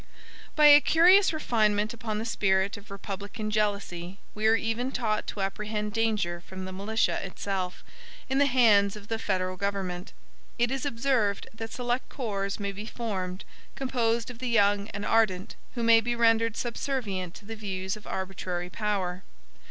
By a curious refinement upon the spirit of republican jealousy, we are even taught to apprehend danger from the militia itself, in the hands of the federal government. It is observed that select corps may be formed, composed of the young and ardent, who may be rendered subservient to the views of arbitrary power.